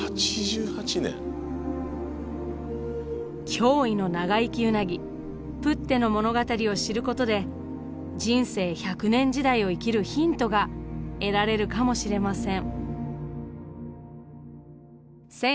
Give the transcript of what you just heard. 驚異の長生きウナギプッテの物語を知ることで人生１００年時代を生きるヒントが得られるかもしれません。